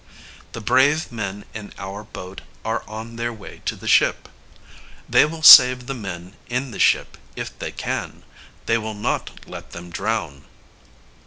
The brave men in our boat are on their way to the ship. They will save the men in the ship, if they can. They will not let them drown.